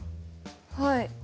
はい。